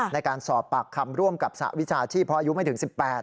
ในการสอบปากคำร่วมกับสหวิชาชีพเพราะอายุไม่ถึง๑๘ปี